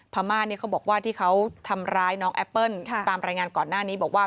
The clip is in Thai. พม่าเนี่ยเขาบอกว่าที่เขาทำร้ายน้องแอปเปิ้ลตามรายงานก่อนหน้านี้บอกว่า